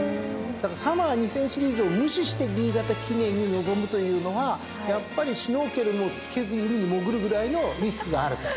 サマー２０００シリーズを無視して新潟記念に臨むというのはやっぱりシュノーケルも着けずに海に潜るぐらいのリスクがあると。